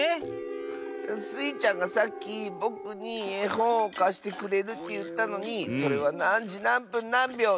スイちゃんがさっきぼくにえほんをかしてくれるっていったのに「それはなんじなんぷんなんびょう？